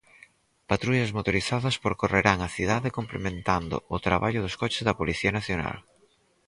Patrullas motorizadas percorrerán a cidade complementando o traballo dos coches da Policía Nacional.